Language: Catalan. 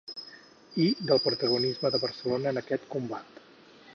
I del protagonisme de Barcelona en aquest combat.